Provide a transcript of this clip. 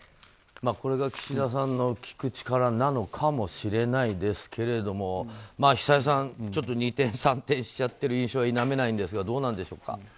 これが岸田さんの聞く力なのかもしれないですけれども久江さん二転三転しちゃっている印象は否めないんですがどうなんでしょうか？